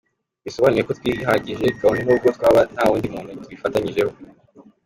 Bisobanuye ko twihagije kabone n’ubwo twaba nta wundi muntu tubifatanyijemo”.